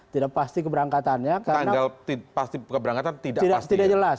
tidak pasti keberangkatannya